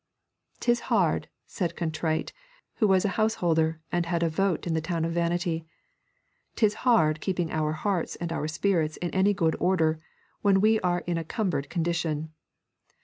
''Tis hard,' said Contrite, who was a householder and had a vote in the town of Vanity, ''tis hard keeping our hearts and our spirits in any good order when we are in a cumbered condition.